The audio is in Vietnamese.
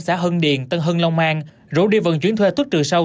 xã hưng điền tân hưng long an rủ đi vận chuyển thuê thuốc trừ sâu